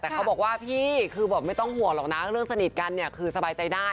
แต่เขาบอกว่าพี่คือบอกไม่ต้องห่วงหรอกนะเรื่องสนิทกันเนี่ยคือสบายใจได้